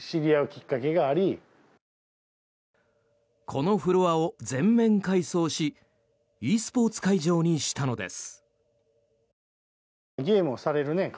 このフロアを全面改装しｅスポーツ会場にしたのです。